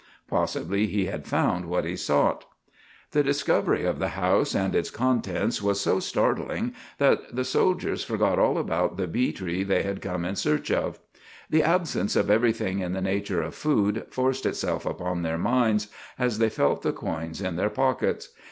Possibly he had found what he sought. The discovery of the house and its contents was so startling that the soldiers forgot all about the bee tree they had come in search of. The absence of everything in the nature of food forced itself upon their minds, as they felt the coins in their pockets.